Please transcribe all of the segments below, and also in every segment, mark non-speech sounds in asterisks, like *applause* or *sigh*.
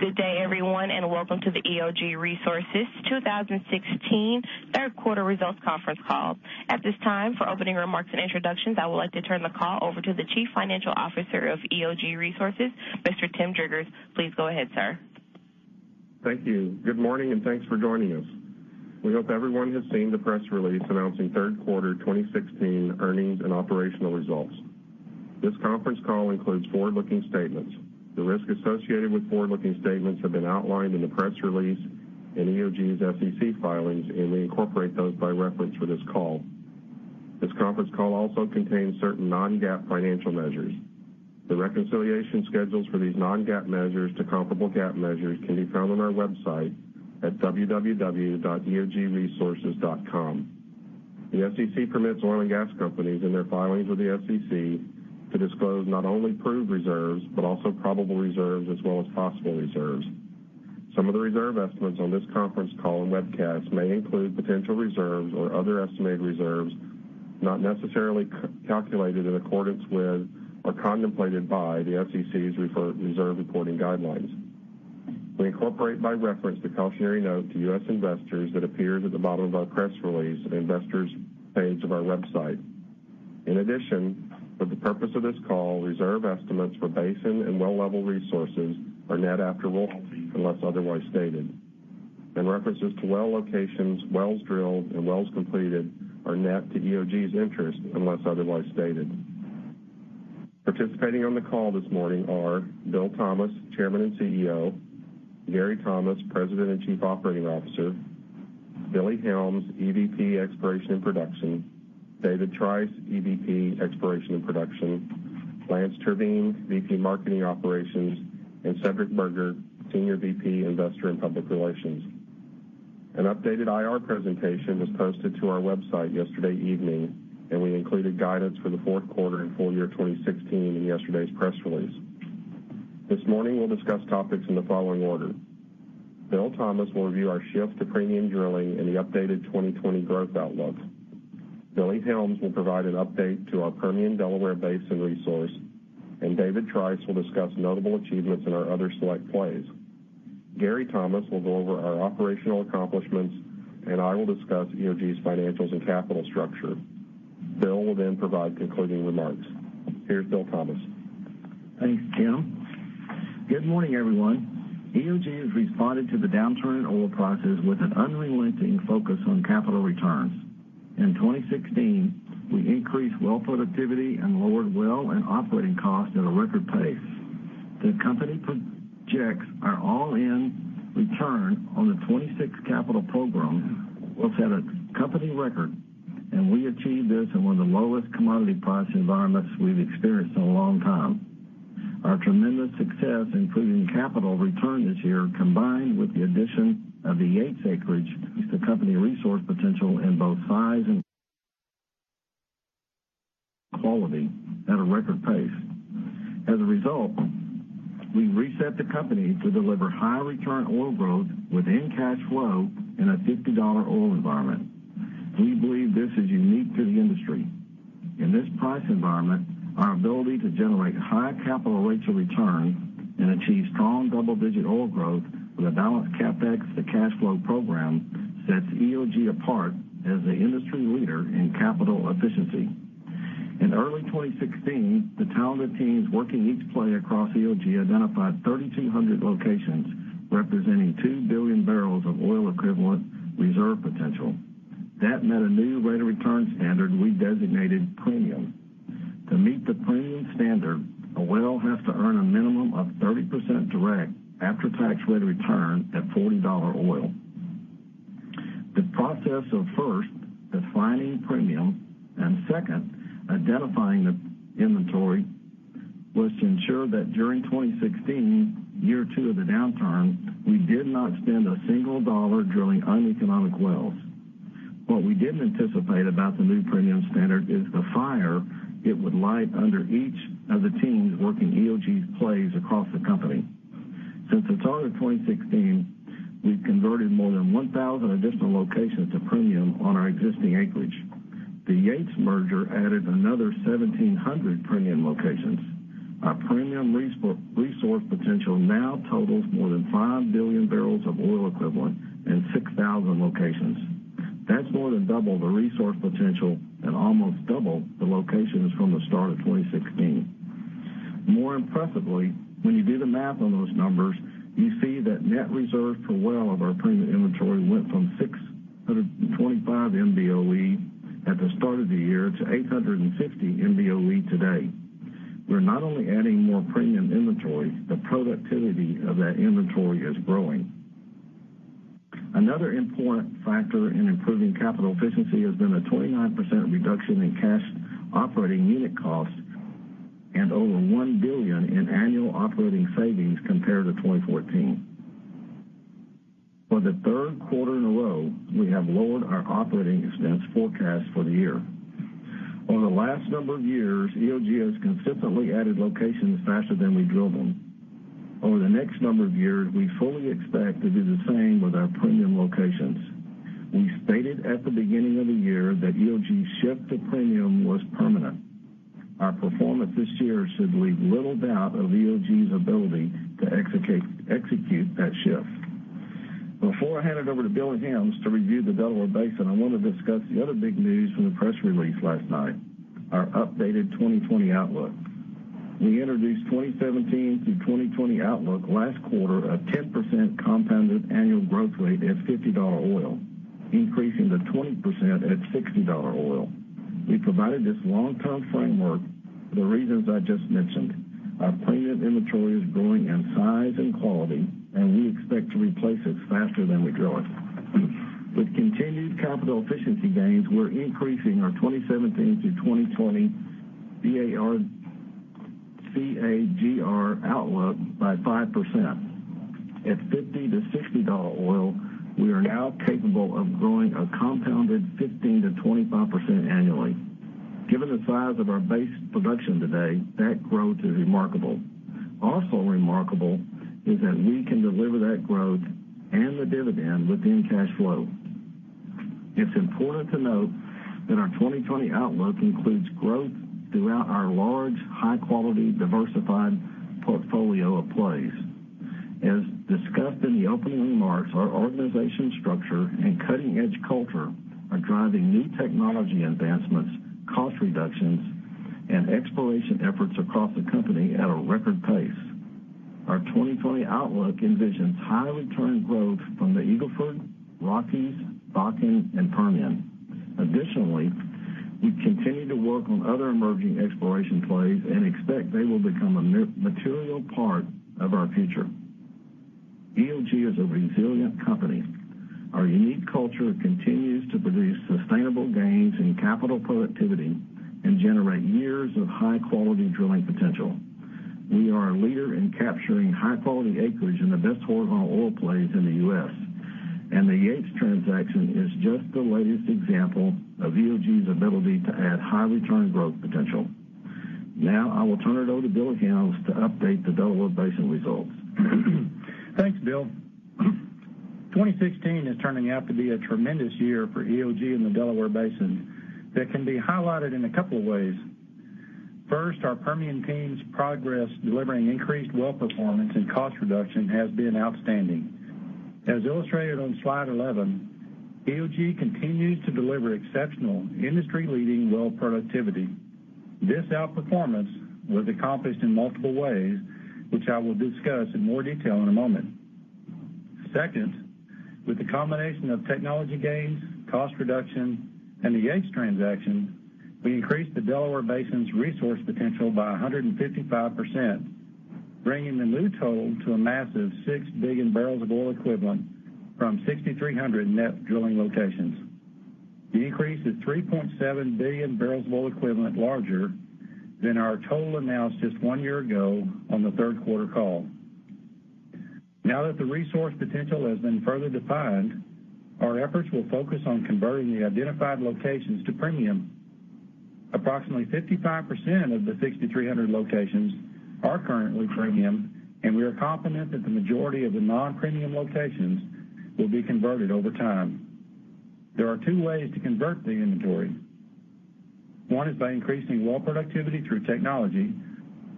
Good day everyone. Welcome to the EOG Resources 2016 third quarter results conference call. At this time, for opening remarks and introductions, I would like to turn the call over to the Chief Financial Officer of EOG Resources, Mr. Tim Driggers. Please go ahead, sir. Thank you. Good morning. Thanks for joining us. We hope everyone has seen the press release announcing third quarter 2016 earnings and operational results. This conference call includes forward-looking statements. The risks associated with forward-looking statements have been outlined in the press release and EOG's SEC filings. We incorporate those by reference for this call. This conference call also contains certain non-GAAP financial measures. The reconciliation schedules for these non-GAAP measures to comparable GAAP measures can be found on our website at www.eogresources.com. The SEC permits oil and gas companies in their filings with the SEC to disclose not only proved reserves, but also probable reserves as well as possible reserves. Some of the reserve estimates on this conference call and webcast may include potential reserves or other estimated reserves not necessarily calculated in accordance with or contemplated by the SEC's reserve reporting guidelines. We incorporate by reference the cautionary note to U.S. investors that appears at the bottom of our press release on the investors page of our website. In addition, for the purpose of this call, reserve estimates for basin and well level resources are net after royalty, unless otherwise stated. References to well locations, wells drilled, and wells completed are net to EOG's interest unless otherwise stated. Participating on the call this morning are Bill Thomas, Chairman and CEO; Gary Thomas, President and Chief Operating Officer; Billy Helms, EVP, Exploration and Production; David Trice, EVP, Exploration and Production; Lance Terveen, VP Marketing Operations; and Cedric Burgher, Senior VP, Investor and Public Relations. An updated IR presentation was posted to our website yesterday evening. We included guidance for the fourth quarter and full year 2016 in yesterday's press release. This morning, we'll discuss topics in the following order. Bill Thomas will review our shift to premium drilling and the updated 2020 growth outlook. Billy Helms will provide an update to our Permian Delaware Basin resource. David Trice will discuss notable achievements in our other select plays. Gary Thomas will go over our operational accomplishments. I will discuss EOG's financials and capital structure. Bill will then provide concluding remarks. Here's Bill Thomas. Thanks, Tim. Good morning, everyone. EOG has responded to the downturn in oil prices with an unrelenting focus on capital returns. In 2016, we increased well productivity and lowered well and operating costs at a record pace. The company projects our all-in return on the 26 capital program looks at a company record, and we achieved this in one of the lowest commodity price environments we've experienced in a long time. Our tremendous success improving capital return this year, combined with the addition of the Yates acreage, increased the company resource potential in both size and quality at a record pace. As a result, we've reset the company to deliver high return oil growth within cash flow in a $50 oil environment. We believe this is unique to the industry. In this price environment, our ability to generate high capital rates of return and achieve strong double-digit oil growth with a balanced CapEx to cash flow program sets EOG apart as the industry leader in capital efficiency. In early 2016, the talented teams working each play across EOG identified 3,200 locations, representing 2 billion barrels of oil equivalent reserve potential. That met a new rate of return standard we designated premium. To meet the premium standard, a well has to earn a minimum of 30% direct after-tax rate of return at $40 oil. The process of first defining premium and second identifying the inventory was to ensure that during 2016, year two of the downturn, we did not spend a single dollar drilling uneconomic wells. What we didn't anticipate about the new premium standard is the fire it would light under each of the teams working EOG's plays across the company. Since the start of 2016, we've converted more than 1,000 additional locations to premium on our existing acreage. The Yates merger added another 1,700 premium locations. Our premium resource potential now totals more than 5 billion barrels of oil equivalent and 6,000 locations. That's more than double the resource potential and almost double the locations from the start of 2016. More impressively, when you do the math on those numbers, you see that net reserve per well of our premium inventory went from 625 MBOE at the start of the year to 850 MBOE today. We're not only adding more premium inventory, the productivity of that inventory is growing. Another important factor in improving capital efficiency has been a 29% reduction in cash operating unit costs and over $1 billion in annual operating savings compared to 2014. For the third quarter in a row, we have lowered our operating expense forecast for the year. Over the last number of years, EOG has consistently added locations faster than we drill them. Over the next number of years, we fully expect to do the same with our premium locations. We stated at the beginning of the year that EOG's shift to premium was permanent. Our performance this year should leave little doubt of EOG's ability to execute that shift. Before I hand it over to Billy Helms to review the Delaware Basin, I want to discuss the other big news from the press release last night, our updated 2020 outlook. We introduced 2017 to 2020 outlook last quarter at 10% compounded annual growth rate at $50 oil, increasing to 20% at $60 oil. We provided this long-term framework for the reasons I just mentioned. Our premium inventory is growing in size and quality, and we expect to replace it faster than we drill it. With continued capital efficiency gains, we're increasing our 2017 through 2020 CAGR outlook by 5%. At $50-$60 oil, we are now capable of growing a compounded 15%-25% annually. Given the size of our base production today, that growth is remarkable. Also remarkable is that we can deliver that growth and the dividend within cash flow. It's important to note that our 2020 outlook includes growth throughout our large, high-quality, diversified portfolio of plays. As discussed in the opening remarks, our organization structure and cutting-edge culture are driving new technology advancements, cost reductions, and exploration efforts across the company at a record pace. Our 2020 outlook envisions high return growth from the Eagle Ford, Rockies, Bakken, and Permian. Additionally, we continue to work on other emerging exploration plays and expect they will become a material part of our future. EOG is a resilient company. Our unique culture continues to produce sustainable gains in capital productivity and generate years of high-quality drilling potential. We are a leader in capturing high-quality acreage in the best horizontal oil plays in the U.S., and the Yates transaction is just the latest example of EOG's ability to add high-return growth potential. Now I will turn it over to Billy Helms to update the Delaware Basin results. Thanks, Bill. 2016 is turning out to be a tremendous year for EOG in the Delaware Basin that can be highlighted in a couple of ways. First, our Permian team's progress delivering increased well performance and cost reduction has been outstanding. As illustrated on slide 11, EOG continues to deliver exceptional industry-leading well productivity. This outperformance was accomplished in multiple ways, which I will discuss in more detail in a moment. Second, with the combination of technology gains, cost reduction, and the Yates transaction, we increased the Delaware Basin's resource potential by 155%, bringing the new total to a massive 6 billion barrels of oil equivalent from 6,300 net drilling locations. The increase is 3.7 billion barrels of oil equivalent larger than our total announced just one year ago on the third-quarter call. Now that the resource potential has been further defined, our efforts will focus on converting the identified locations to premium. Approximately 55% of the 6,300 locations are currently premium, and we are confident that the majority of the non-premium locations will be converted over time. There are two ways to convert the inventory. One is by increasing well productivity through technology,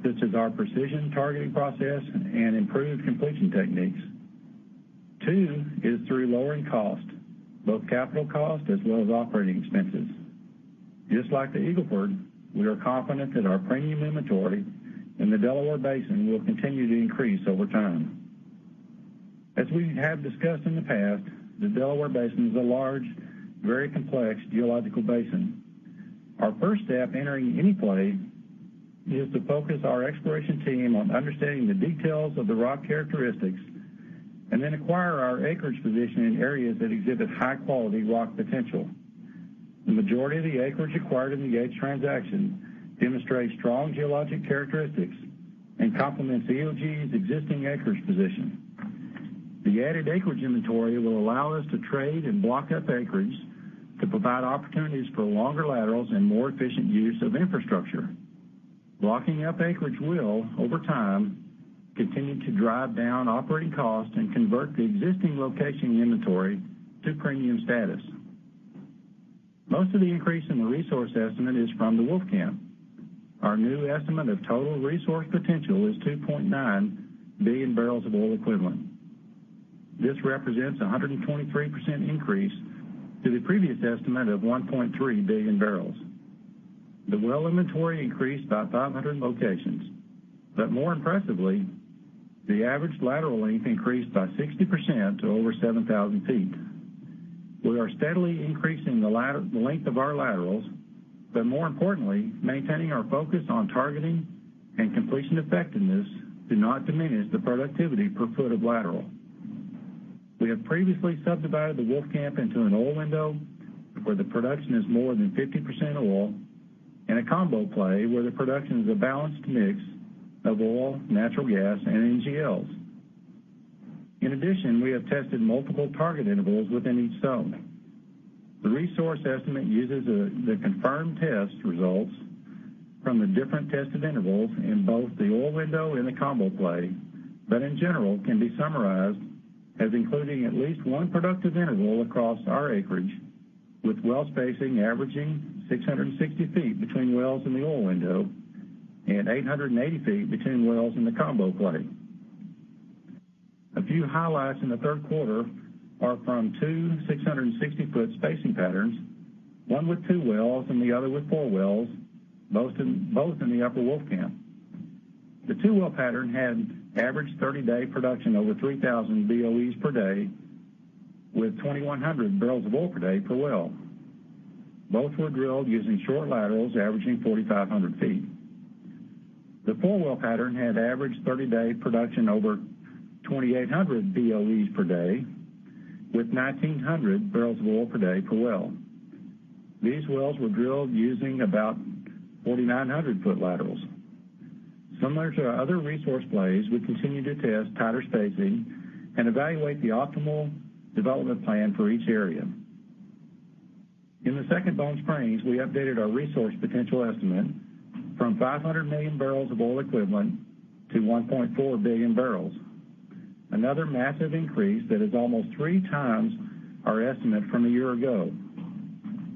such as our precision targeting process and improved completion techniques. Two is through lowering cost, both capital cost as well as operating expenses. Just like the Eagle Ford, we are confident that our premium inventory in the Delaware Basin will continue to increase over time. As we have discussed in the past, the Delaware Basin is a large, very complex geological basin. Our first step entering any play is to focus our exploration team on understanding the details of the rock characteristics and then acquire our acreage position in areas that exhibit high-quality rock potential. The majority of the acreage acquired in the Yates transaction demonstrates strong geologic characteristics and complements EOG's existing acreage position. The added acreage inventory will allow us to trade and block up acreage to provide opportunities for longer laterals and more efficient use of infrastructure. Blocking up acreage will, over time, continue to drive down operating costs and convert the existing location inventory to premium status. Most of the increase in the resource estimate is from the Wolfcamp. Our new estimate of total resource potential is 2.9 billion barrels of oil equivalent. This represents a 123% increase to the previous estimate of 1.3 billion barrels. The well inventory increased by 500 locations. More impressively, the average lateral length increased by 60% to over 7,000 feet. We are steadily increasing the length of our laterals. More importantly, maintaining our focus on targeting and completion effectiveness do not diminish the productivity per foot of lateral. We have previously subdivided the Wolfcamp into an oil window where the production is more than 50% oil and a combo play where the production is a balanced mix of oil, natural gas, and NGLs. In addition, we have tested multiple target intervals within each zone. The resource estimate uses the confirmed test results from the different tested intervals in both the oil window and the combo play. In general can be summarized as including at least one productive interval across our acreage, with well spacing averaging 660 feet between wells in the oil window and 880 feet between wells in the combo play. A few highlights in the third quarter are from two 660-foot spacing patterns, one with two wells and the other with four wells, both in the Upper Wolfcamp. The two-well pattern had average 30-day production over 3,000 BOEs per day, with 2,100 barrels of oil per day per well. Both were drilled using short laterals averaging 4,500 feet. The four-well pattern had average 30-day production over 2,800 BOEs per day with 1,900 barrels of oil per day per well. These wells were drilled using about 4,900-foot laterals. Similar to our other resource plays, we continue to test tighter spacing and evaluate the optimal development plan for each area. In the Second Bone Spring, we updated our resource potential estimate from 500 million barrels of oil equivalent to 1.4 billion barrels. Another massive increase that is almost three times our estimate from a year ago.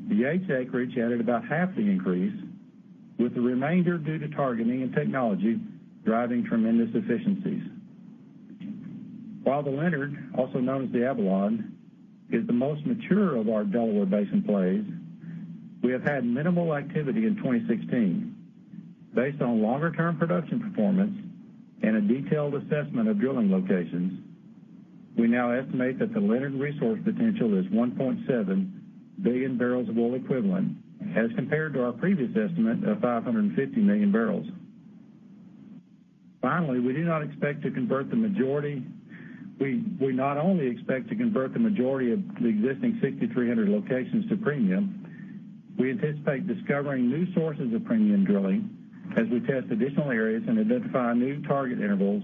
The Yates acreage added about half the increase, with the remainder due to targeting and technology driving tremendous efficiencies. While the Leonard, also known as the Avalon, is the most mature of our Delaware Basin plays, we have had minimal activity in 2016. Based on longer-term production performance and a detailed assessment of drilling locations, we now estimate that the Leonard resource potential is 1.7 billion barrels of oil equivalent, as compared to our previous estimate of 550 million barrels. Finally, we not only expect to convert the majority of the existing 6,300 locations to premium, we anticipate discovering new sources of premium drilling as we test additional areas and identify new target intervals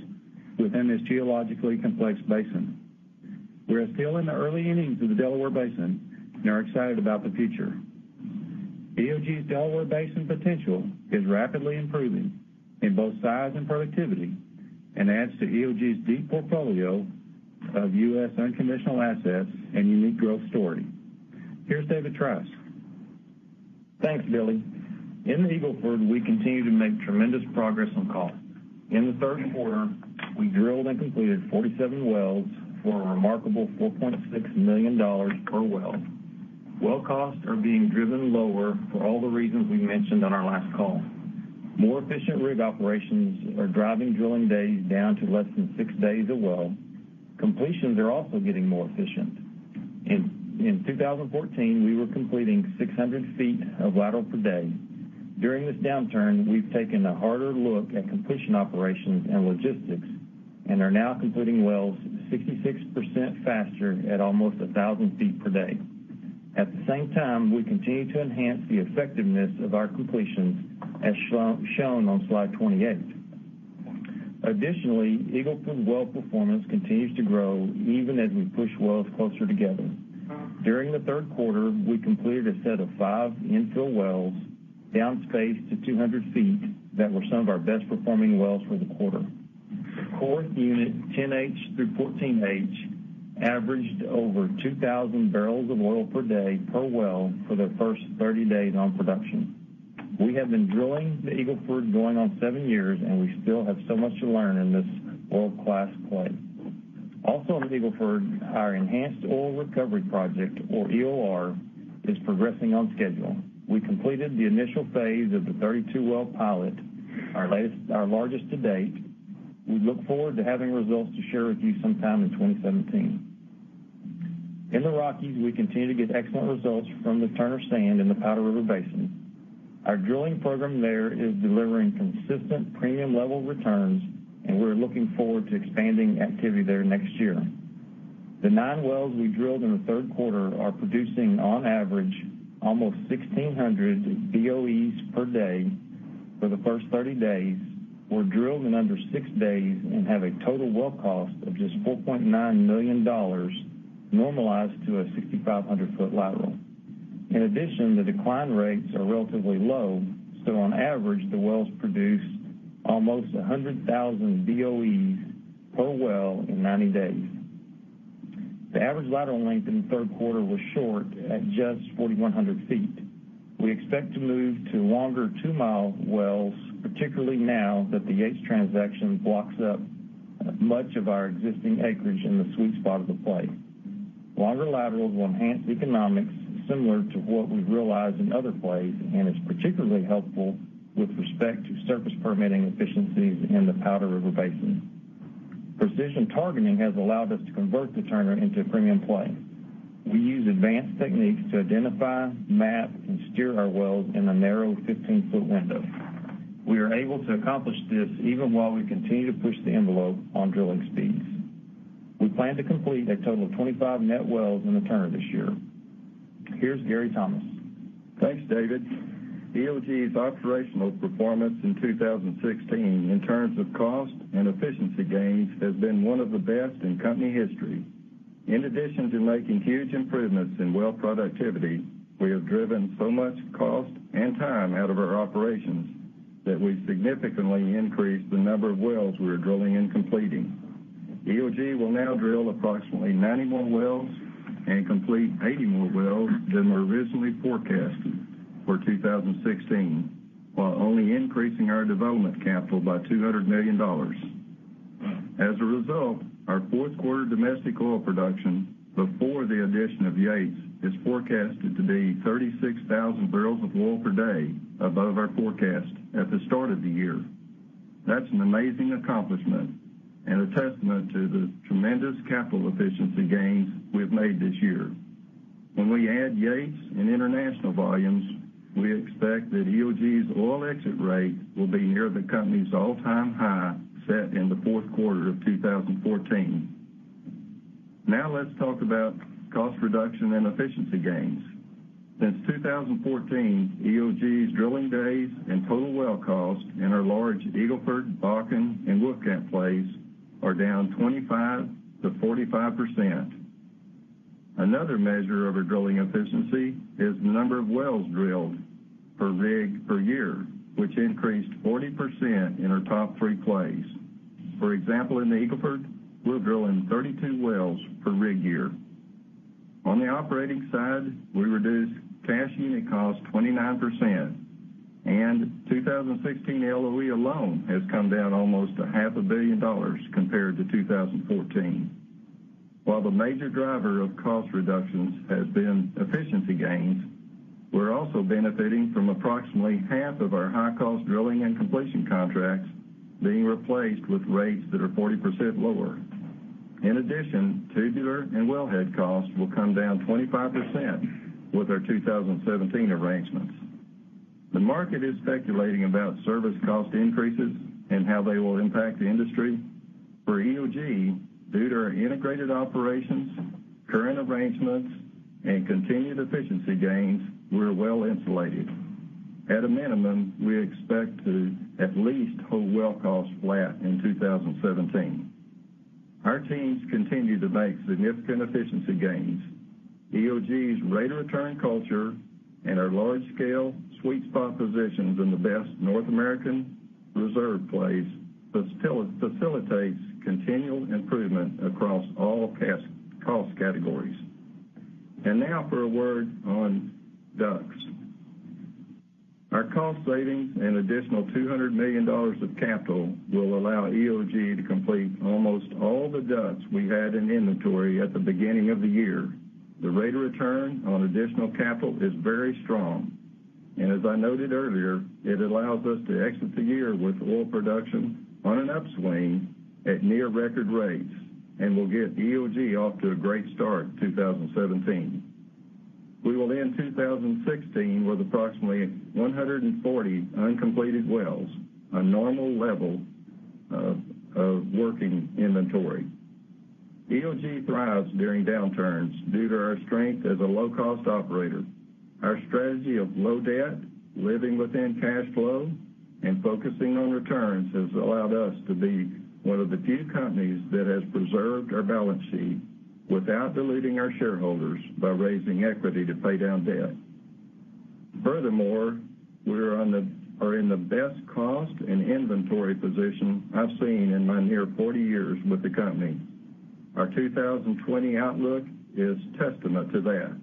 within this geologically complex basin. We are still in the early innings of the Delaware Basin and are excited about the future. EOG's Delaware Basin potential is rapidly improving in both size and productivity and adds to EOG's deep portfolio of U.S. unconventional assets and unique growth story. Here's David Trice. Thanks, Billy. In the Eagle Ford, we continue to make tremendous progress on cost. In the third quarter, we drilled and completed 47 wells for a remarkable $4.6 million per well. Well costs are being driven lower for all the reasons we mentioned on our last call. More efficient rig operations are driving drilling days down to less than six days a well. Completions are also getting more efficient. In 2014, we were completing 600 feet of lateral per day. During this downturn, we've taken a harder look at completion operations and logistics and are now completing wells 66% faster at almost 1,000 feet per day. At the same time, we continue to enhance the effectiveness of our completions, as shown on slide 28. Additionally, Eagle Ford well performance continues to grow even as we push wells closer together. During the third quarter, we completed a set of five infill wells down spaced to 200 feet that were some of our best-performing wells for the quarter. The fourth unit, 10H through 14H, averaged over 2,000 barrels of oil per day per well for their first 30 days on production. We have been drilling the Eagle Ford going on seven years, and we still have so much to learn in this world-class play. Also in the Eagle Ford, our enhanced oil recovery project, or EOR, is progressing on schedule. We completed the initial phase of the 32-well pilot, our largest to date. We look forward to having results to share with you sometime in 2017. In the Rockies, we continue to get excellent results from the Turner Sand in the Powder River Basin. Our drilling program there is delivering consistent premium-level returns, and we're looking forward to expanding activity there next year. The nine wells we drilled in the third quarter are producing on average almost 1,600 BOEs per day for the first 30 days, were drilled in under six days, and have a total well cost of just $4.9 million normalized to a 6,500-foot lateral. In addition, the decline rates are relatively low, so on average, the wells produce almost 100,000 BOEs per well in 90 days. The average lateral length in the third quarter was short at just 4,100 feet. We expect to move to longer two-mile wells, particularly now that the Yates transaction blocks up much of our existing acreage in the sweet spot of the play. Longer laterals will enhance economics similar to what we've realized in other plays and is particularly helpful with respect to surface permitting efficiencies in the Powder River Basin. Precision targeting has allowed us to convert the Turner into a premium play. We use advanced techniques to identify, map, and steer our wells in a narrow 15-foot window. We are able to accomplish this even while we continue to push the envelope on drilling speeds. We plan to complete a total of 25 net wells in the Turner this year. Here's Gary Thomas. Thanks, David. EOG's operational performance in 2016 in terms of cost and efficiency gains has been one of the best in company history. In addition to making huge improvements in well productivity, we have driven so much cost and time out of our operations that we significantly increased the number of wells we are drilling and completing. EOG will now drill approximately 90 more wells and complete 80 more wells than were originally forecasted for 2016, while only increasing our development capital by $200 million. As a result, our fourth quarter domestic oil production before the addition of Yates is forecasted to be 36,000 barrels of oil per day above our forecast at the start of the year. That's an amazing accomplishment and a testament to the tremendous capital efficiency gains we have made this year. When we add Yates and international volumes, we expect that EOG's oil exit rate will be near the company's all-time high, set in the fourth quarter of 2014. Now let's talk about cost reduction and efficiency gains. Since 2014, EOG's drilling days and total well cost in our large Eagle Ford, Bakken, and Wolfcamp plays are down 25%-45%. Another measure of our drilling efficiency is the number of wells drilled per rig per year, which increased 40% in our top three plays. For example, in the Eagle Ford, we're drilling 32 wells per rig year. On the operating side, we reduced cash unit cost 29%, and 2016 LOE alone has come down almost to half a billion dollars compared to 2014. While the major driver of cost reductions has been efficiency gains, we're also benefiting from approximately half of our high-cost drilling and completion contracts being replaced with rates that are 40% lower. In addition, tubular and wellhead costs will come down 25% with our 2017 arrangements. The market is speculating about service cost increases and how they will impact the industry. For EOG, due to our integrated operations, current arrangements, and continued efficiency gains, we're well-insulated. At a minimum, we expect to at least hold well cost flat in 2017. Our teams continue to make significant efficiency gains. EOG's rate of return culture and our large-scale sweet spot positions in the best North American reserve plays facilitates continual improvement across all cost categories. Now for a word on DUCs. Our cost savings and additional $200 million of capital will allow EOG to complete almost all the DUCs we had in inventory at the beginning of the year. The rate of return on additional capital is very strong, and as I noted earlier, it allows us to exit the year with oil production on an upswing at near record rates and will get EOG off to a great start in 2017. We will end 2016 with approximately 140 uncompleted wells, a normal level of working inventory. EOG thrives during downturns due to our strength as a low-cost operator. Our strategy of low debt, living within cash flow, and focusing on returns has allowed us to be one of the few companies that has preserved our balance sheet without diluting our shareholders by raising equity to pay down debt. Furthermore, we are in the best cost and inventory position I've seen in my near 40 years with the company. Our 2020 outlook is testament to that.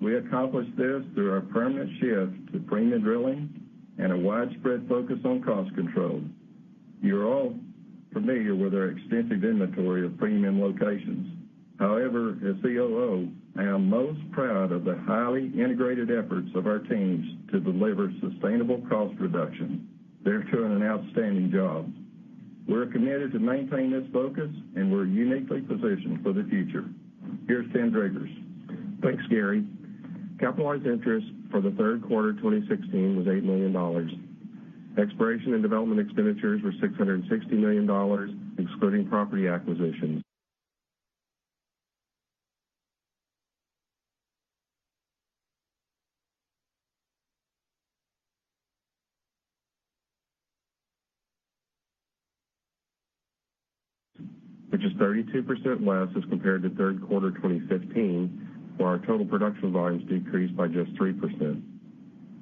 We accomplished this through our permanent shift to premium drilling and a widespread focus on cost control. You're all familiar with our extensive inventory of premium locations. However, as COO, I am most proud of the highly integrated efforts of our teams to deliver sustainable cost reduction. They're doing an outstanding job. We're committed to maintain this focus, and we're uniquely positioned for the future. Here's Tim Driggers. Thanks, Gary. Capitalized interest for the third quarter 2016 was $8 million. Exploration and development expenditures were $660 million, excluding property acquisitions. Which is 32% less as compared to third quarter 2015, while our total production volumes decreased by just 3%.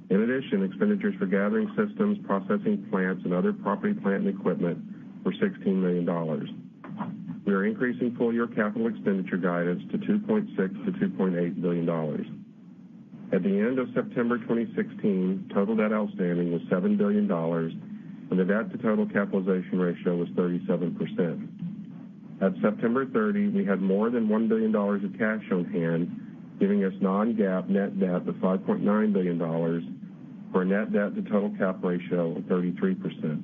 In addition, expenditures for gathering systems, processing plants, and other property, plant, and equipment were $16 million. We are increasing full-year capital expenditure guidance to $2.6 billion-$2.8 billion. At the end of September 2016, total debt outstanding was $7 billion, and the debt-to-total capitalization ratio was 37%. At September 30, we had more than $1 billion of cash on hand, giving us non-GAAP net debt of $5.9 billion, for a net debt to total cap ratio of 33%.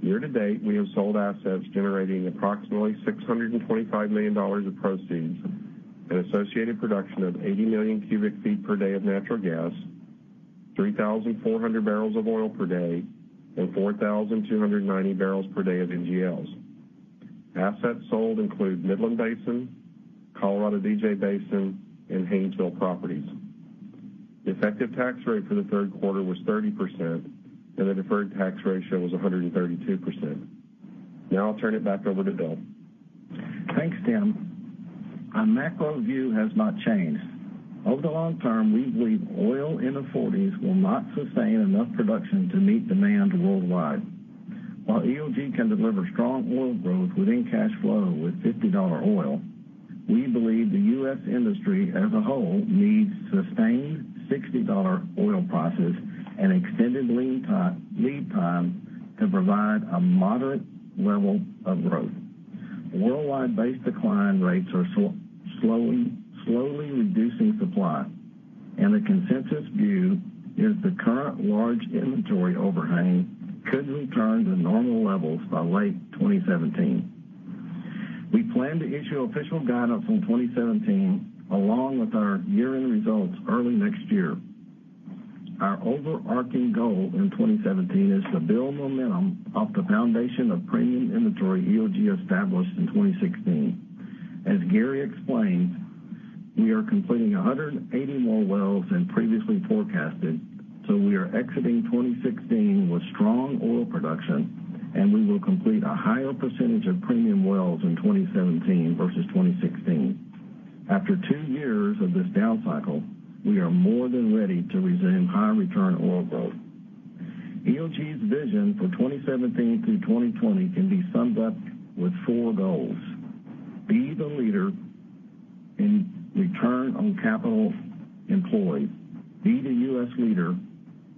Year to date, we have sold assets generating approximately $625 million of proceeds and associated production of 80 million cubic feet per day of natural gas, 3,400 barrels of oil per day, and 4,290 barrels per day of NGLs. Assets sold include Midland Basin, Colorado DJ Basin, and Haynesville properties. The effective tax rate for the third quarter was 30%, and the deferred tax ratio was 132%. I'll turn it back over to Bill. Thanks, Tim. Our macro view has not changed. Over the long term, we believe oil in the 40s will not sustain enough production to meet demand worldwide. While EOG can deliver strong oil growth within cash flow with $50 oil, we believe the U.S. industry as a whole needs sustained $60 oil prices and extended lead times to provide a moderate level of growth. Worldwide base decline rates are slowly reducing supply, and the consensus view is the current large inventory overhang could return to normal levels by late 2017. We plan to issue official guidance on 2017, along with our year-end results early next year. Our overarching goal in 2017 is to build momentum off the foundation of premium inventory EOG established in 2016. As Gary explained, we are completing 180 more wells than previously forecasted, we are exiting 2016 with strong oil production, and we will complete a higher percentage of premium wells in 2017 versus 2016. After two years of this down cycle, we are more than ready to resume high return oil growth. EOG's vision for 2017 through 2020 can be summed up with four goals: be the leader in return on capital employed, be the U.S. leader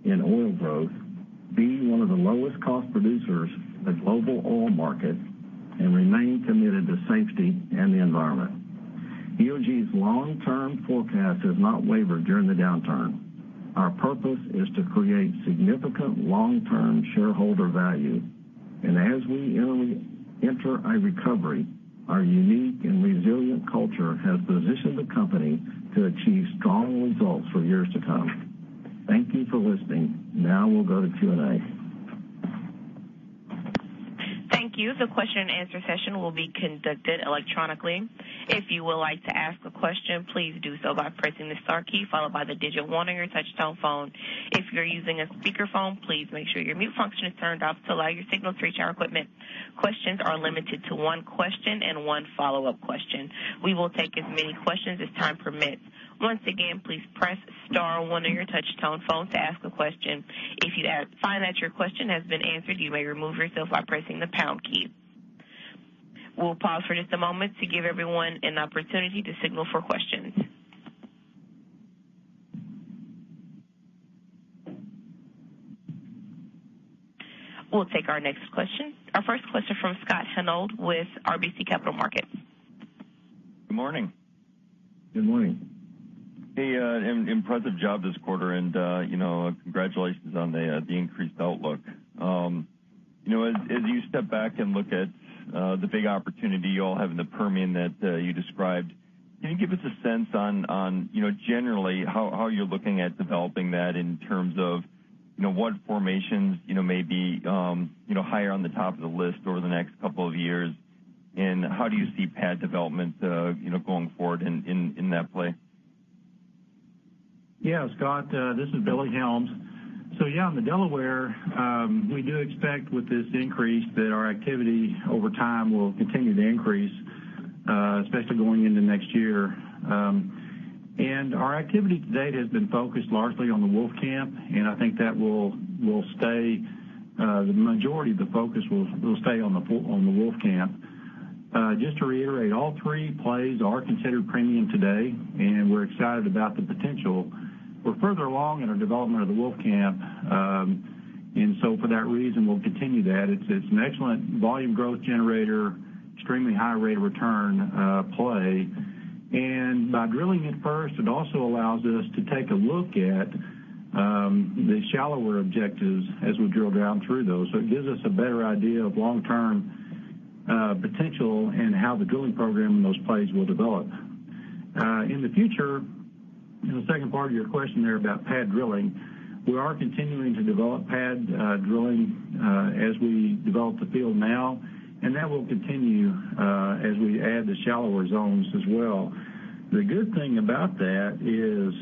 in oil growth, be one of the lowest cost producers in the global oil market, and remain committed to safety and the environment. EOG's long-term forecast has not wavered during the downturn. Our purpose is to create significant long-term shareholder value. As we enter a recovery, our unique and resilient culture has positioned the company to achieve strong results for years to come. Thank you for listening. We'll go to Q&A. Thank you. The question and answer session will be conducted electronically. If you would like to ask a question, please do so by pressing the star key, followed by the digit 1 on your touch-tone phone. If you're using a speakerphone, please make sure your mute function is turned off to allow your signal to reach our equipment. Questions are limited to one question and one follow-up question. We will take as many questions as time permits. Once again, please press star one on your touch-tone phone to ask a question. If you find that your question has been answered, you may remove yourself by pressing the pound key. We'll pause for just a moment to give everyone an opportunity to signal for questions. We'll take our next question. Our first question from Scott Hanold with RBC Capital Markets. Good morning. Good morning. Hey, impressive job this quarter, congratulations on the increased outlook. As you step back and look at the big opportunity you all have in the Permian that you described, can you give us a sense on, generally, how you're looking at developing that in terms of what formations may be higher on the top of the list over the next couple of years, and how do you see pad development going forward in that play? Scott, this is Billy Helms. Yeah, in the Delaware, we do expect with this increase that our activity over time will continue to increase, especially going into next year. Our activity to date has been focused largely on the Wolfcamp, and I think the majority of the focus will stay on the Wolfcamp. Just to reiterate, all three plays are considered premium today, and we're excited about the potential. We're further along in our development of the Wolfcamp, for that reason, we'll continue that. It's an excellent volume growth generator, extremely high rate of return play. By drilling it first, it also allows us to take a look at the shallower objectives as we drill down through those. It gives us a better idea of long-term potential and how the drilling program in those plays will develop. In the future, in the second part of your question there about pad drilling, we are continuing to develop pad drilling as we develop the field now, that will continue as we add the shallower zones as well. The good thing about that is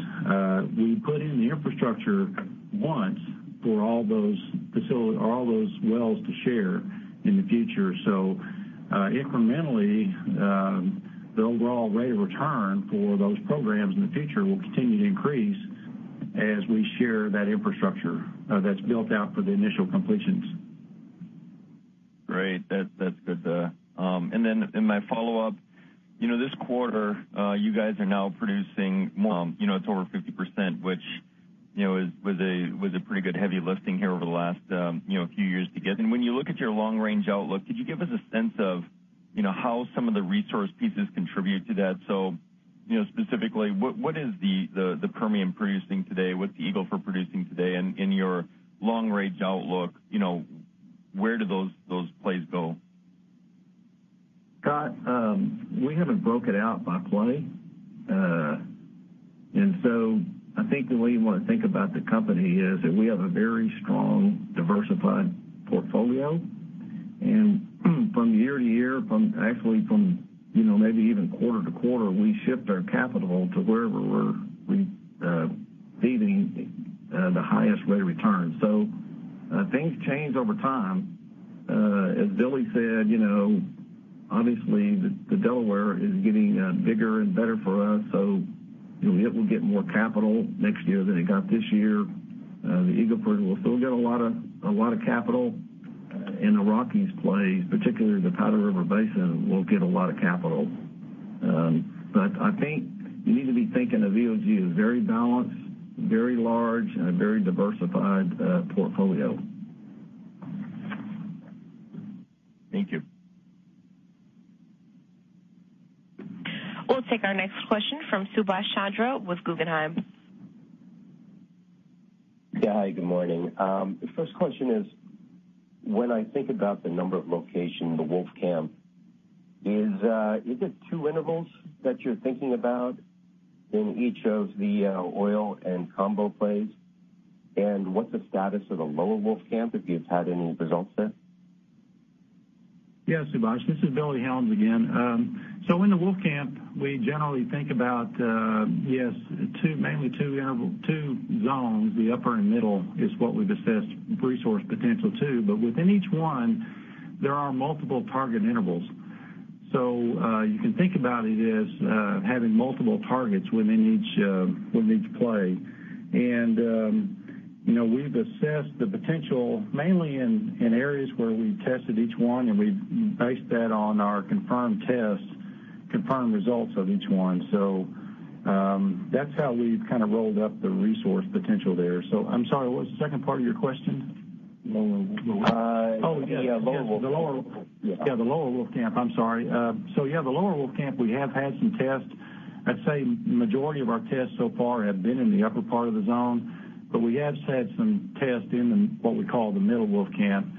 we put in the infrastructure once for all those wells to share in the future. Incrementally, the overall rate of return for those programs in the future will continue to increase as we share that infrastructure that's built out for the initial completions. Great. That's good. In my follow-up, this quarter, you guys are now producing more. It's over 50%, which was a pretty good heavy lifting here over the last few years to get. When you look at your long-range outlook, could you give us a sense of how some of the resource pieces contribute to that? Specifically, what is the Permian producing today? What's the Eagle Ford producing today? In your long-range outlook, where do those plays go? Scott, we haven't broke it out by play. I think the way you want to think about the company is that we have a very strong, diversified portfolio From year to year, actually from maybe even quarter to quarter, we shift our capital to wherever we're receiving the highest rate of return. Things change over time. As Billy said, obviously, the Delaware is getting bigger and better for us, so it will get more capital next year than it got this year. The Eagle Ford will still get a lot of capital. The Rockies play, particularly the Powder River Basin, will get a lot of capital. I think you need to be thinking of EOG as very balanced, very large, and a very diversified portfolio. Thank you. We'll take our next question from Subash Chandra with Guggenheim. Yeah. Hi, good morning. The first question is, when I think about the number of location, the Wolfcamp, is it 2 intervals that you're thinking about in each of the oil and combo plays? What's the status of the Lower Wolfcamp, if you've had any results there? Yeah, Subash. This is Billy Helms again. In the Wolfcamp, we generally think about, yes, mainly two zones. The upper and middle is what we've assessed resource potential to. Within each one, there are multiple target intervals. You can think about it as having multiple targets within each play. We've assessed the potential mainly in areas where we've tested each one, and we've based that on our confirmed test, confirmed results of each one. That's how we've kind of rolled up the resource potential there. I'm sorry, what was the second part of your question? Lower Wolfcamp. Yes. Yeah, Lower Wolfcamp. I'm sorry. The Lower Wolfcamp, we have had some tests. I'd say majority of our tests so far have been in the upper part of the zone, but we have had some tests in the, what we call the Middle Wolfcamp,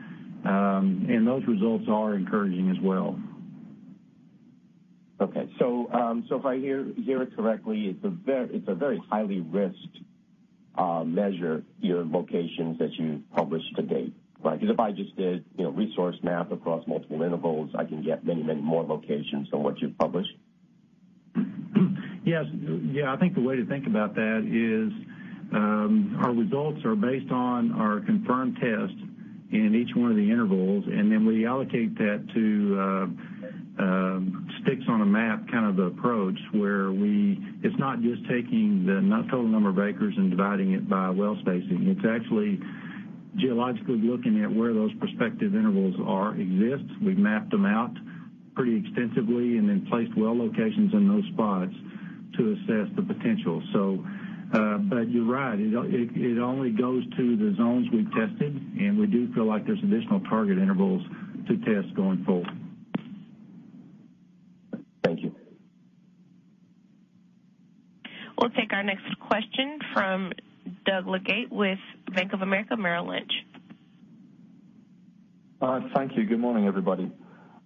and those results are encouraging as well. Okay. If I hear it correctly, it's a very highly risked measure, your locations that you've published to date, right? If I just did resource map across multiple intervals, I can get many more locations than what you've published. Yes. I think the way to think about that is, our results are based on our confirmed tests in each one of the intervals, then we allocate that to sticks on a map kind of approach, where it's not just taking the total number of acres and dividing it by well spacing. It's actually geologically looking at where those prospective intervals are, exist. We've mapped them out pretty extensively and then placed well locations in those spots to assess the potential. You're right. It only goes to the zones we've tested, we do feel like there's additional target intervals to test going forward. Thank you. We'll take our next question from Doug Leggate with Bank of America Merrill Lynch. Thank you. Good morning, everybody.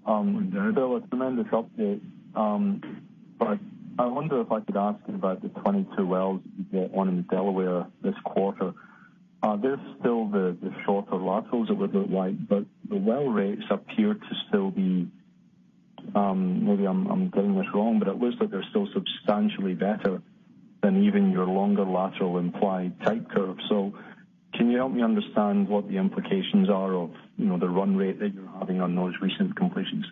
Good morning, Doug. Bill, a tremendous update. I wonder if I could ask about the 22 wells that you get on in the Delaware this quarter. They're still the shorter laterals it would look like, but the well rates appear to still be, maybe I'm getting this wrong, but it looks like they're still substantially better than even your longer lateral implied type curve. Can you help me understand what the implications are of the run rate that you're having on those recent completions?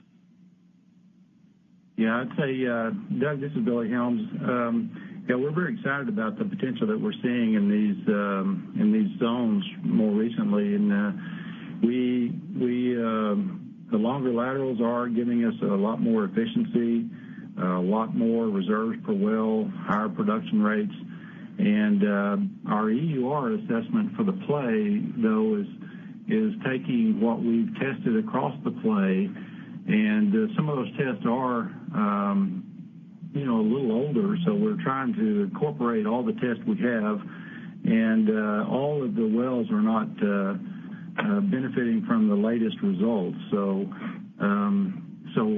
Doug, this is Billy Helms. We're very excited about the potential that we're seeing in these zones more recently. The longer laterals are giving us a lot more efficiency, a lot more reserves per well, higher production rates. Our EUR assessment for the play, though, is taking what we've tested across the play, and some of those tests are a little older. We're trying to incorporate all the tests we have, and all of the wells are not benefiting from the latest results.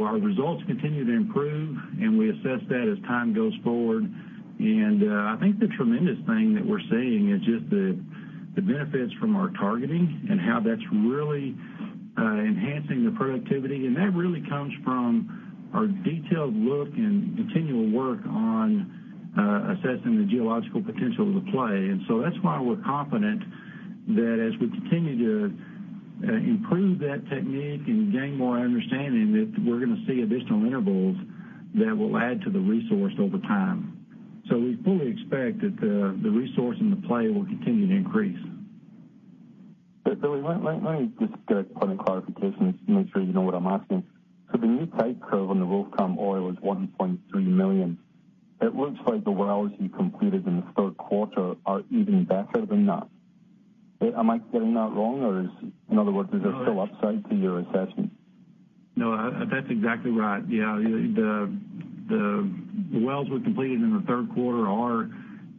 Our results continue to improve, and we assess that as time goes forward. I think the tremendous thing that we're seeing is just the benefits from our targeting and how that's really enhancing the productivity. That really comes from our detailed look and continual work on assessing the geological potential of the play. That's why we're confident that as we continue to improve that technique and gain more understanding, that we're going to see additional intervals that will add to the resource over time. We fully expect that the resource and the play will continue to increase. Billy, let me just get a point of clarification just to make sure you know what I'm asking. The new type curve on the Wolfcamp oil is $1.3 million. It looks like the wells you completed in the third quarter are even better than that. Am I getting that wrong? Or in other words, is there still upside to your assessment? No, that's exactly right. The wells we completed in the third quarter are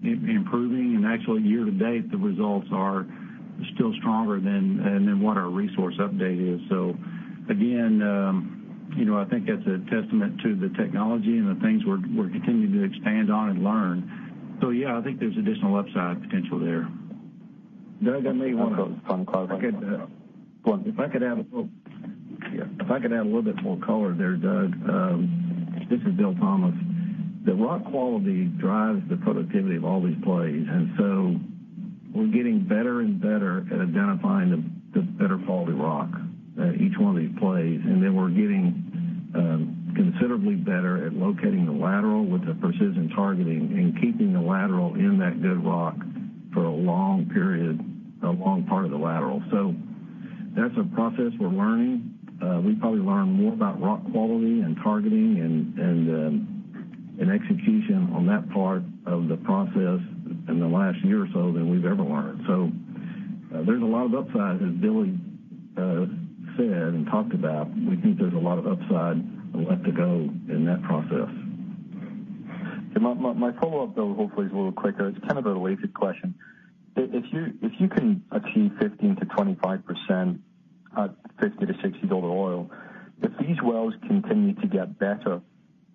improving, and actually year-to-date, the results are still stronger than what our resource update is. Again, I think that's a testament to the technology and the things we're continuing to expand on and learn. I think there's additional upside potential there. Doug, I may want to. *audio distortion* If I could add a little bit more color there, Doug. This is Bill Thomas. The rock quality drives the productivity of all these plays. We're getting better and better at identifying the better quality rock at each one of these plays. We're getting considerably better at locating the lateral with the precision targeting and keeping the lateral in that good rock for a long period, a long part of the lateral. That's a process we're learning. We probably learn more about rock quality and targeting and execution on that part of the process in the last year or so than we've ever learned. There's a lot of upside, as Billy said and talked about. We think there's a lot of upside left to go in that process. My follow-up, Bill, hopefully is a little quicker. It's kind of a related question. If you can achieve 15%-25% at $50-$60 oil, if these wells continue to get better,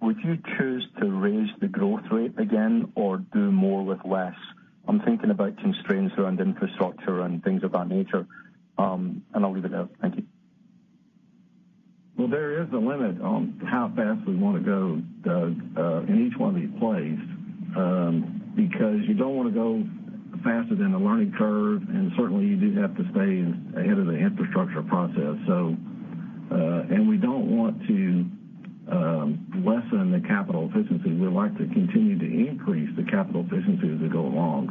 would you choose to raise the growth rate again or do more with less? I'm thinking about constraints around infrastructure and things of that nature. I'll leave it there. Thank you. Well, there is a limit on how fast we want to go, Doug, in each one of these plays, because you don't want to go faster than the learning curve, and certainly you do have to stay ahead of the infrastructure process. We don't want to lessen the capital efficiency. We'd like to continue to increase the capital efficiency as we go along.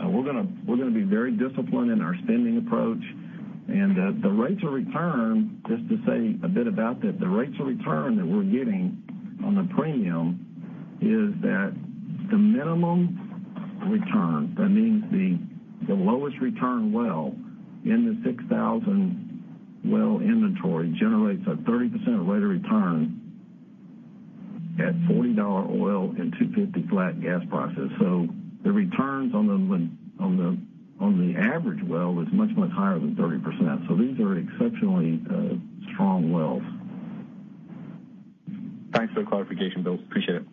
We're going to be very disciplined in our spending approach. The rates of return, just to say a bit about that, the rates of return that we're getting on the premium is that the minimum return, that means the lowest return well in the 6,000 well inventory generates a 30% rate of return at $40 oil and $2.50 flat gas prices. The returns on the average well is much, much higher than 30%. These are exceptionally strong wells. Thanks for the clarification, Bill. Appreciate it.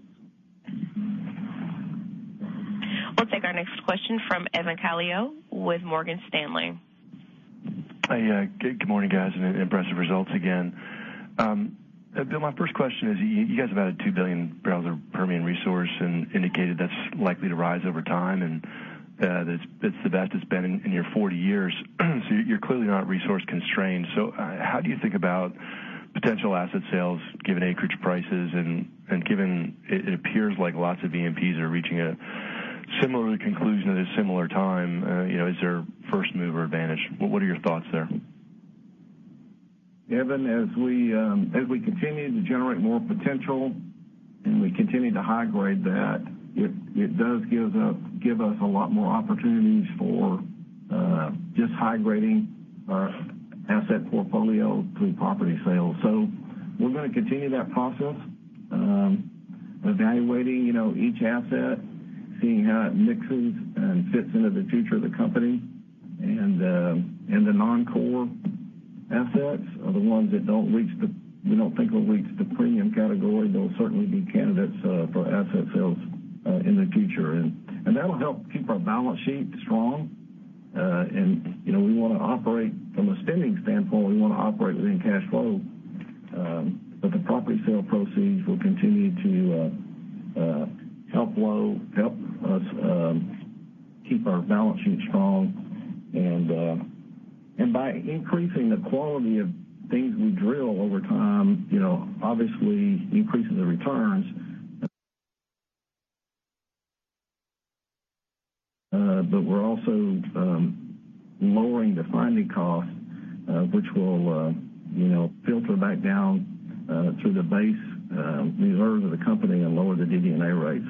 We'll take our next question from Evan Calio with Morgan Stanley. Hi. Good morning, guys, and impressive results again. Bill, my first question is, you guys have added 2 billion barrels of Permian resource and indicated that's likely to rise over time, and that's the best it's been in your 40 years. You're clearly not resource constrained. How do you think about potential asset sales given acreage prices and given it appears like lots of E&Ps are reaching a similar conclusion at a similar time? Is there first-mover advantage? What are your thoughts there? Evan, as we continue to generate more potential and we continue to high-grade that, it does give us a lot more opportunities for just high-grading our asset portfolio through property sales. We're going to continue that process, evaluating each asset, seeing how it mixes and fits into the future of the company. The non-core assets are the ones that we don't think will reach the premium category. They'll certainly be candidates for asset sales in the future. That'll help keep our balance sheet strong. From a spending standpoint, we want to operate within cash flow. The property sale proceeds will continue to help us keep our balance sheet strong. By increasing the quality of things we drill over time, obviously increasing the returns, but we're also lowering the finding cost, which will filter back down through the base reserves of the company and lower the DD&A rate.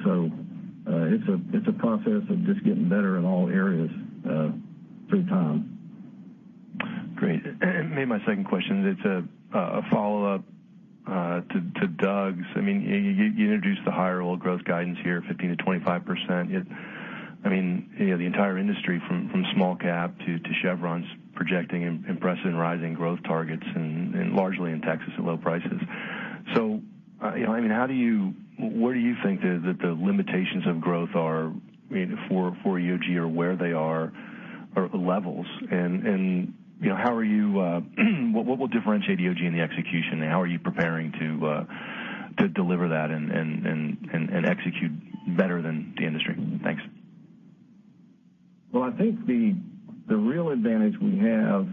It's a process of just getting better in all areas through time. Great. Maybe my second question, it's a follow-up to Doug's. You introduced the higher oil growth guidance here, 15%-25%. The entire industry, from small cap to Chevron, is projecting impressive and rising growth targets and largely in Texas at low prices. Where do you think the limitations of growth are for EOG or where they are, or levels? What will differentiate EOG in the execution? How are you preparing to deliver that and execute better than the industry? Thanks. Well, I think the real advantage we have,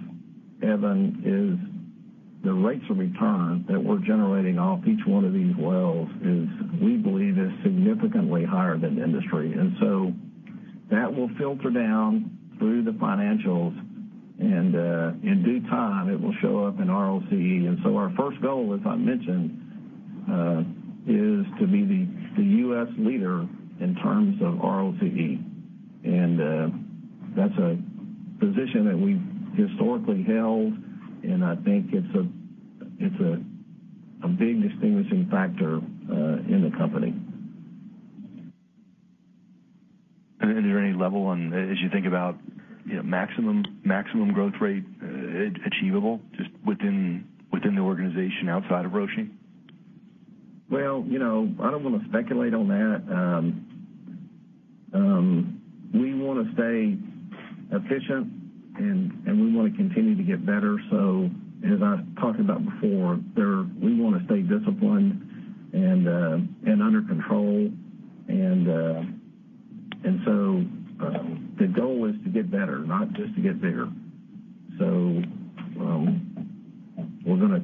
Evan, is the rates of return that we're generating off each one of these wells is, we believe, is significantly higher than industry. That will filter down through the financials, and in due time, it will show up in ROCE. Our first goal, as I mentioned, is to be the U.S. leader in terms of ROCE. That's a position that we've historically held, and I think it's a big distinguishing factor in the company. Is there any level as you think about maximum growth rate achievable just within the organization outside of [Rochin]? Well, I don't want to speculate on that. We want to stay efficient, and we want to continue to get better. As I talked about before, we want to stay disciplined and under control. The goal is to get better, not just to get bigger. We're going to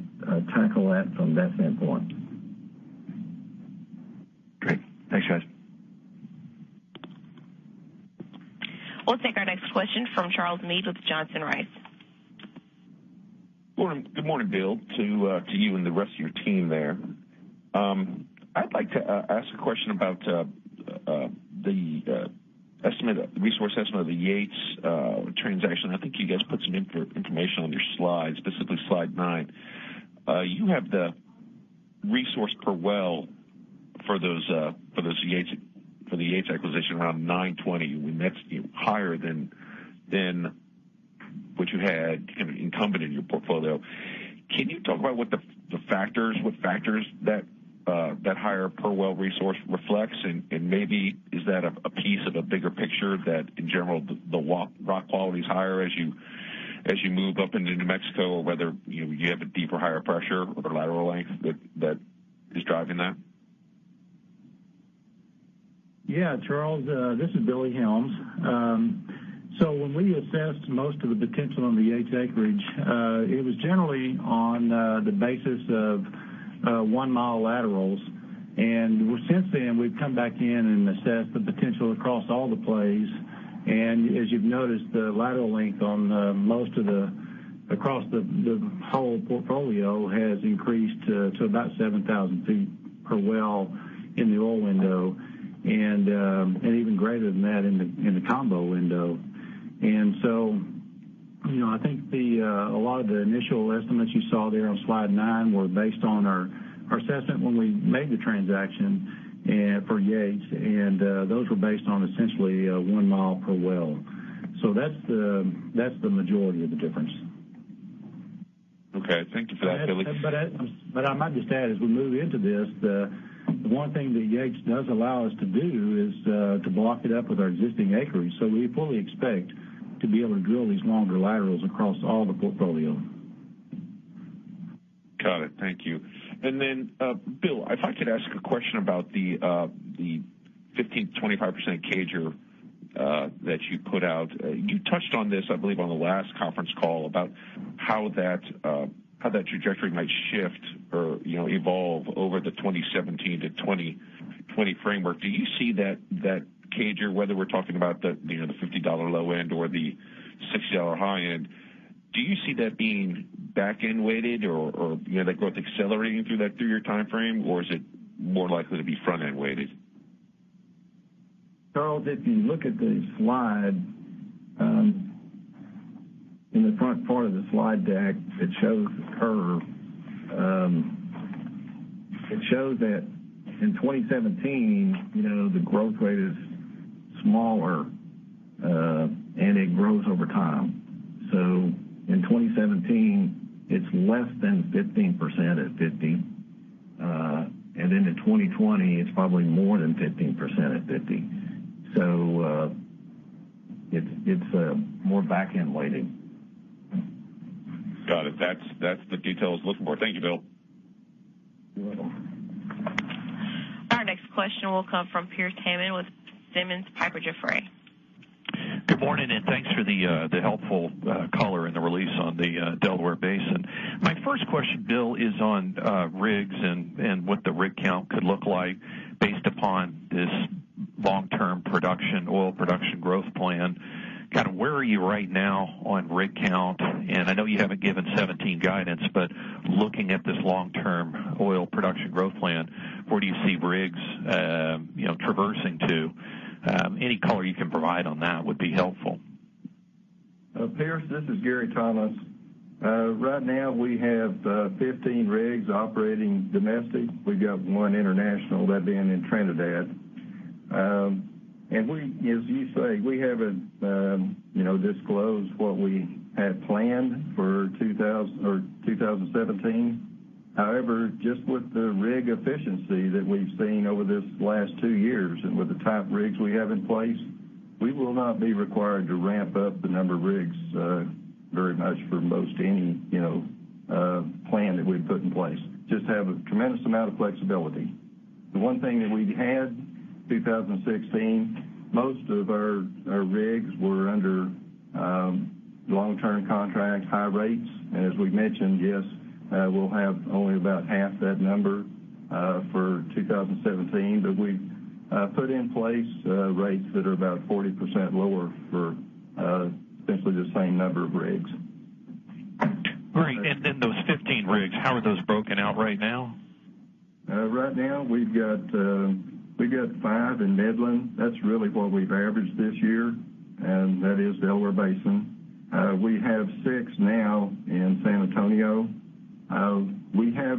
tackle that from that standpoint. Great. Thanks, guys. We'll take our next question from Charles Mead with Johnson Rice. Good morning, Bill, to you and the rest of your team there. I'd like to ask a question about the resource estimate of the Yates transaction. I think you guys put some information on your slides, specifically slide nine. You have the resource per well for the Yates acquisition around 920, and that's higher than what you had incumbent in your portfolio. Can you talk about what factors that higher per well resource reflects? Maybe is that a piece of a bigger picture that, in general, the rock quality is higher as you move up into New Mexico, whether you have a deeper, higher pressure or the lateral length that is driving that? Charles, this is Billy Helms. When we assessed most of the potential on the Yates acreage, it was generally on the basis of one-mile laterals. Since then, we've come back in and assessed the potential across all the plays. As you've noticed, the lateral length across the whole portfolio has increased to about 7,000 feet per well in the oil window and even greater than that in the combo window. I think a lot of the initial estimates you saw there on slide nine were based on our assessment when we made the transaction for Yates, and those were based on essentially one mile per well. That's the majority of the difference. Thank you for that, Billy. I might just add, as we move into this, the one thing that Yates does allow us to do is to block it up with our existing acreage. We fully expect to be able to drill these longer laterals across all the portfolio. Got it. Thank you. Then Bill, if I could ask a question about the 15%-25% CAGR that you put out. You touched on this, I believe, on the last conference call about how that trajectory might shift or evolve over the 2017-2020 framework. Do you see that CAGR, whether we're talking about the $50 low end or the $60 high end, do you see that being back-end weighted or that growth accelerating through your timeframe, or is it more likely to be front-end weighted? Charles, if you look at the slide, in the front part of the slide deck, it shows the curve. It shows that in 2017, the growth rate is smaller, and it grows over time. In 2017, it's less than 15% at $50. Then in 2020, it's probably more than 15% at $50. It's more back-end weighted. Got it. That's the details I was looking for. Thank you, Bill. You're welcome. Our next question will come from Pearce Hammond with Simmons Piper Jaffray. Good morning, thanks for the helpful color in the release on the Delaware Basin. My first question, Bill, is on rigs and what the rig count could look like based upon this long-term oil production growth plan. Where are you right now on rig count? I know you haven't given 2017 guidance, but looking at this long-term oil production growth plan, where do you see rigs traversing to? Any color you can provide on that would be helpful. Pearce, this is Gary Thomas. Right now, we have 15 rigs operating domestic. We've got one international, that being in Trinidad. As you say, we haven't disclosed what we had planned for 2017. However, just with the rig efficiency that we've seen over these last two years and with the type of rigs we have in place, we will not be required to ramp up the number of rigs very much for most any plan that we've put in place. Just have a tremendous amount of flexibility. The one thing that we've had, 2016, most of our rigs were under long-term contracts, high rates. As we mentioned, yes, we'll have only about half that number for 2017. We've put in place rates that are about 40% lower for essentially the same number of rigs. Great. Those 15 rigs, how are those broken out right now? Right now, we've got five in Midland. That's really what we've averaged this year, and that is Delaware Basin. We have six now in San Antonio. We have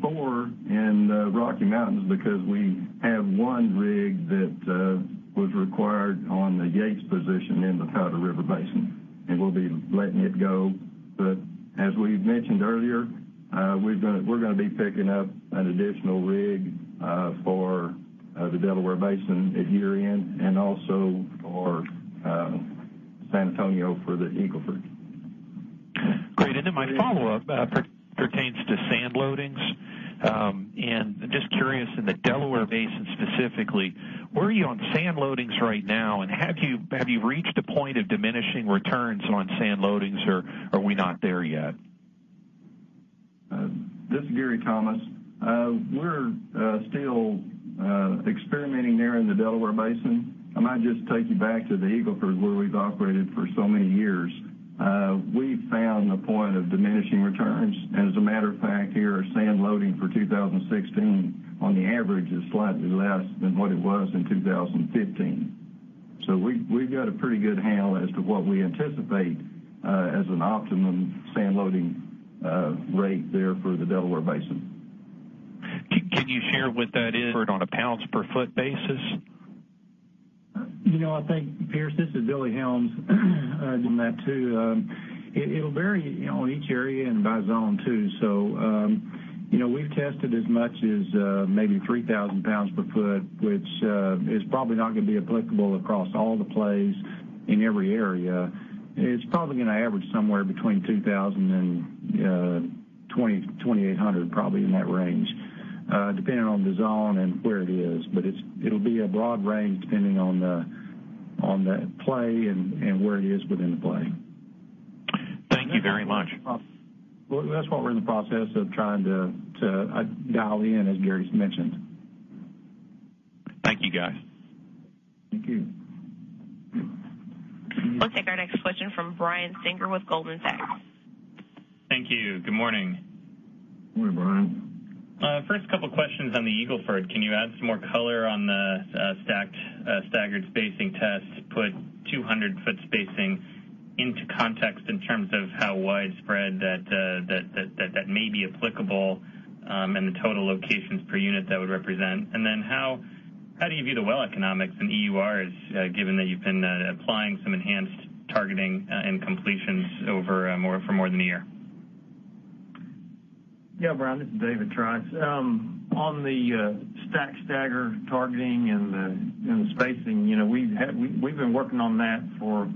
four in Rocky Mountains because we have one rig that was required on the Yates position in the Powder River Basin, and we'll be letting it go. As we mentioned earlier We're going to be picking up an additional rig for the Delaware Basin at year-end, and also for San Antonio for the Eagle Ford. Great. Then my follow-up pertains to sand loadings. I'm just curious, in the Delaware Basin specifically, where are you on sand loadings right now? Have you reached a point of diminishing returns on sand loadings, or are we not there yet? This is Gary Thomas. We're still experimenting there in the Delaware Basin. I might just take you back to the Eagle Ford, where we've operated for so many years. We've found a point of diminishing returns. As a matter of fact, here, our sand loading for 2016, on the average, is slightly less than what it was in 2015. We've got a pretty good handle as to what we anticipate as an optimum sand loading rate there for the Delaware Basin. Can you share what that is on a pounds per foot basis? I think, Pearce, this is Billy Helms adding that too. It'll vary on each area and by zone, too. We've tested as much as maybe 3,000 pounds per foot, which is probably not going to be applicable across all the plays in every area. It's probably going to average somewhere between 2,000 and 2,800, probably in that range, depending on the zone and where it is. It'll be a broad range depending on the play and where it is within the play. Thank you very much. Well, that's what we're in the process of trying to dial in, as Gary's mentioned. Thank you, guys. Thank you. We'll take our next question from Brian Singer with Goldman Sachs. Thank you. Good morning. Morning, Brian. First couple of questions on the Eagle Ford. Can you add some more color on the stacked staggered spacing tests, put 200-foot spacing into context in terms of how widespread that may be applicable, and the total locations per unit that would represent? How do you view the well economics and EURs, given that you've been applying some enhanced targeting and completions for more than a year? Yeah, Brian, this is David Trice. On the stacked staggered targeting and the spacing, we've been working on that for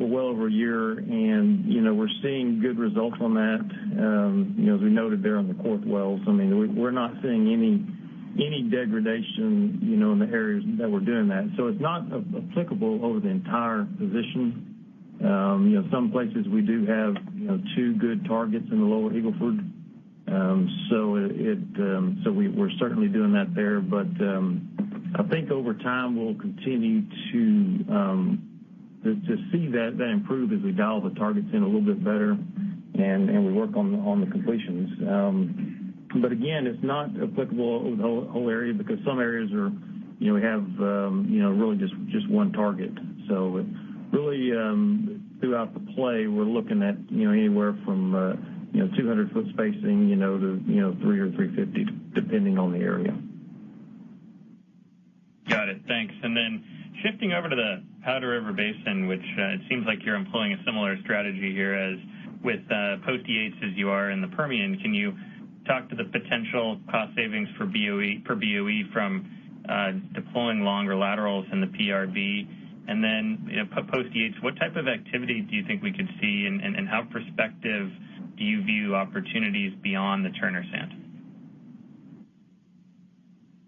well over a year, and we're seeing good results on that as we noted there on the Quartz wells. I mean, we're not seeing any degradation in the areas that we're doing that. It's not applicable over the entire position. Some places we do have two good targets in the lower Eagle Ford. We're certainly doing that there. I think over time, we'll continue to see that improve as we dial the targets in a little bit better and we work on the completions. Again, it's not applicable over the whole area because some areas have really just one target. Really, throughout the play, we're looking at anywhere from 200-foot spacing, to 300 or 350, depending on the area. Got it. Thanks. Shifting over to the Powder River Basin, which it seems like you're employing a similar strategy here as with post-Yates as you are in the Permian, can you talk to the potential cost savings per BOE from deploying longer laterals in the PRB? Post-Yates, what type of activity do you think we could see, and how prospective do you view opportunities beyond the Turner Sand?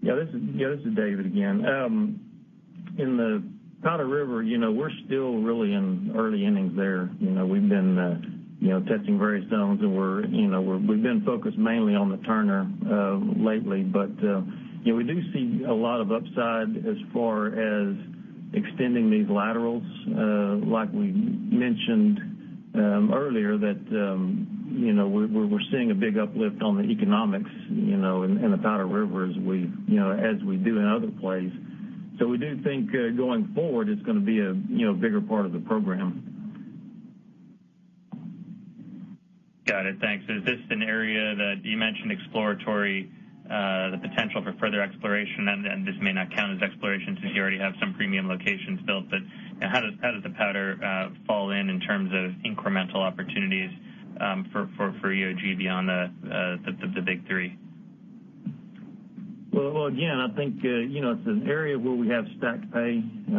This is David again. In the Powder River, we're still really in early innings there. We've been testing various zones, and we've been focused mainly on the Turner lately. We do see a lot of upside as far as extending these laterals. Like we mentioned earlier, that we're seeing a big uplift on the economics in the Powder River as we do in other plays. We do think, going forward, it's going to be a bigger part of the program. Got it. Thanks. Is this an area that you mentioned exploratory, the potential for further exploration, this may not count as exploration since you already have some premium locations built, how does the Powder fall in terms of incremental opportunities for EOG beyond the big three? Well, again, I think it's an area where we have stacked pay. We've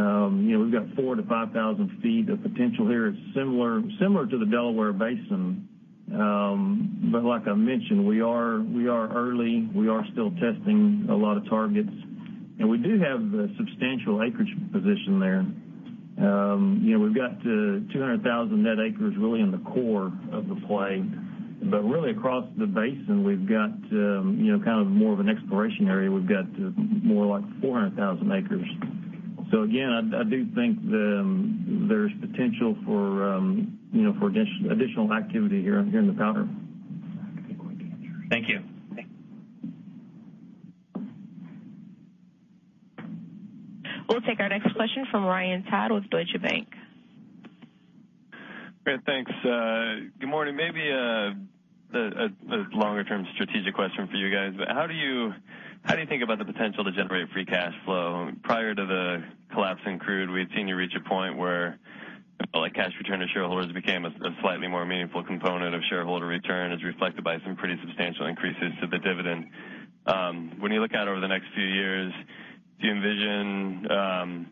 got 4,000-5,000 feet. The potential here is similar to the Delaware Basin. Like I mentioned, we are early. We are still testing a lot of targets, we do have a substantial acreage position there. We've got 200,000 net acres really in the core of the play. Really across the basin, we've got more of an exploration area. We've got more like 400,000 acres. Again, I do think there's potential for additional activity here in the Powder. Thank you. We'll take our next question from Ryan Todd with Deutsche Bank. Great. Thanks. Good morning. Maybe a longer-term strategic question for you guys. How do you think about the potential to generate free cash flow? Prior to the collapse in crude, we had seen you reach a point where Cash return to shareholders became a slightly more meaningful component of shareholder return, as reflected by some pretty substantial increases to the dividend. When you look out over the next few years, do you envision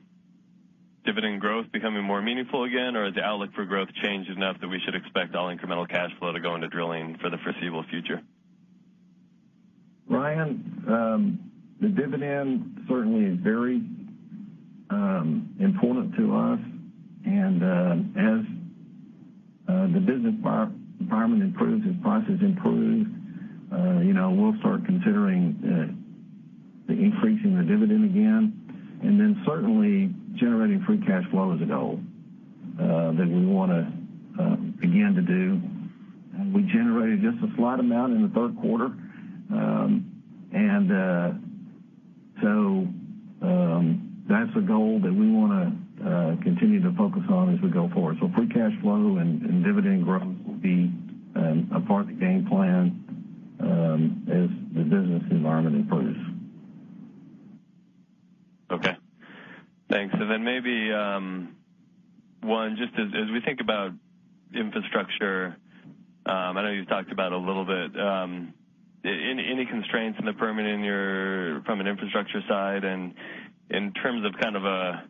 dividend growth becoming more meaningful again, or has the outlook for growth changed enough that we should expect all incremental cash flow to go into drilling for the foreseeable future? Ryan, the dividend certainly is very important to us, as the business environment improves, as prices improve, we'll start considering increasing the dividend again. Certainly generating free cash flow is a goal that we want to begin to do. We generated just a slight amount in the third quarter. That's a goal that we want to continue to focus on as we go forward. Free cash flow and dividend growth will be a part of the game plan as the business environment improves. Okay, thanks. Maybe, one, just as we think about infrastructure, I know you've talked about a little bit. Any constraints in the permitting from an infrastructure side and in terms of a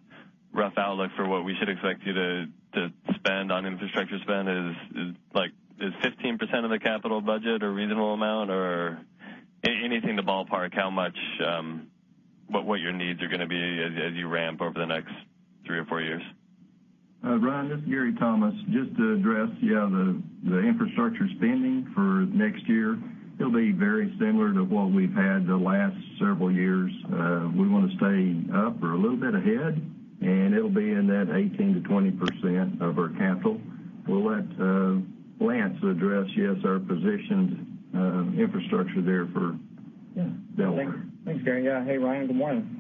rough outlook for what we should expect you to spend on infrastructure spend? Is 15% of the capital budget a reasonable amount or anything to ballpark what your needs are going to be as you ramp over the next three or four years? Ryan, this is Gary Thomas. Just to address the infrastructure spending for next year, it'll be very similar to what we've had the last several years. We want to stay up or a little bit ahead, and it'll be in that 18%-20% of our capital. We'll let Lance address our positioned infrastructure there for Delaware. Thanks, Gary. Hey, Ryan, good morning.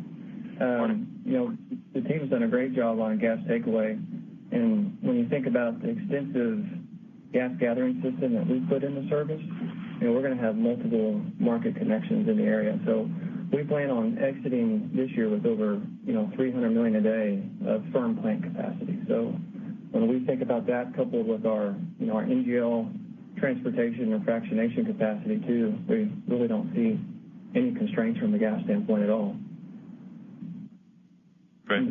Morning. The team has done a great job on gas takeaway. When you think about the extensive gas gathering system that we put into service, we're going to have multiple market connections in the area. We plan on exiting this year with over 300 million a day of firm plant capacity. When we think about that coupled with our NGL transportation or fractionation capacity too, we really don't see any constraints from the gas standpoint at all. Great.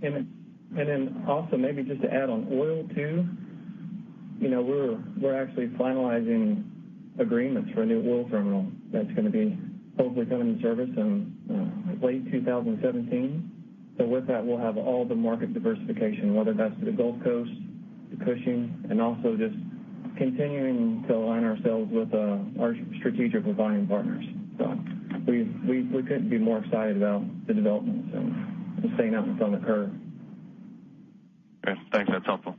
Thanks. Also maybe just to add on oil too, we're actually finalizing agreements for a new oil terminal that's going to be hopefully coming in service in late 2017. With that, we'll have all the market diversification, whether that's to the Gulf Coast, to Cushing, and also just continuing to align ourselves with our strategic refining partners. We couldn't be more excited about the developments and the things that's going to occur. Great. Thanks. That's helpful.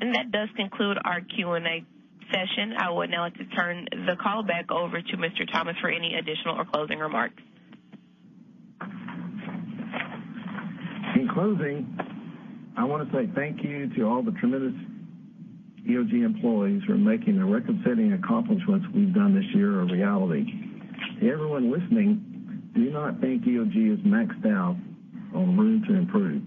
That does conclude our Q&A session. I would now like to turn the call back over to Mr. Thomas for any additional or closing remarks. In closing, I want to say thank you to all the tremendous EOG employees for making the record-setting accomplishments we've done this year a reality. To everyone listening, do not think EOG is maxed out on room to improve.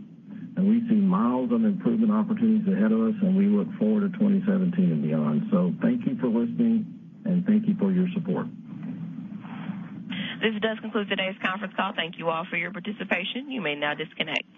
We see miles of improvement opportunities ahead of us, and we look forward to 2017 and beyond. Thank you for listening, and thank you for your support. This does conclude today's conference call. Thank you all for your participation. You may now disconnect.